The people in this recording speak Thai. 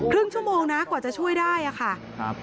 ครึ่งชั่วโมงนะกว่าจะช่วยได้อะค่ะครับ